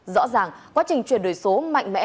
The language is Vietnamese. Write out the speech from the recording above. rõ ràng quá trình chuyển đổi số mạnh mẽ